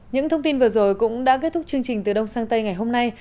những thông tin vừa rồi cũng đã kết thúc chương trình từ đông sang tây ngày hôm nay